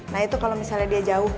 nah itu kalau misalnya dia jauh